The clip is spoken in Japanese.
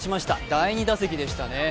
第２打席でしたね。